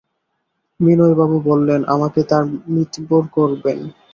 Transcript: বিনয়বাবু বলেছেন, আমাকে তাঁর মিতবর করবেন!